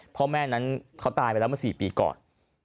พ่อแม่นั้นเขาตายไปแล้วเมื่อ๔ปีก่อน